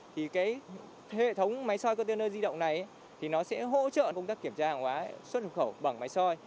thì hệ thống máy soi container di động này sẽ hỗ trợ công tác kiểm tra hàng hóa xuất nhập khẩu bằng máy soi